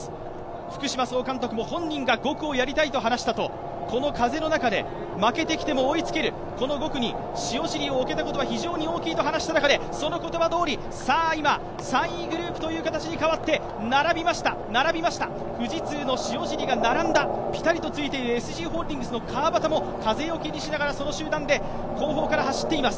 福嶋総監督も本人が５区をやりたいと話したとこの風の中で負けてきても追いつける、この５区に塩尻を置けたことは非常に大きいと話した中でその言葉どおり、今３位グループという形に変わって並びました、富士通の塩尻が並んだぴたりとついているＳＧホールディングス川端も風よけにしながらその集団で後方から走っています。